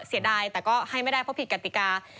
เสียดายแต่ก็ให้ไม่ได้เพราะผิดกติกา